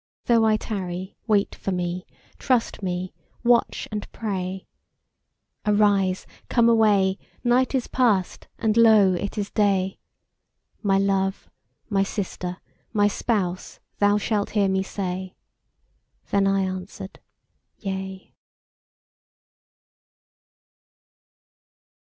Though I tarry, wait for Me, trust Me, watch and pray. Arise, come away, night is past, and lo it is day, My love, My sister, My spouse, thou shalt hear Me say. Then I answered: Yea.